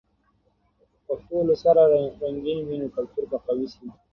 که پښتو له سره رنګین وي، نو کلتور به قوي سي.